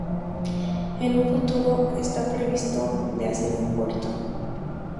En un futuro está previsto de hacer un puerto.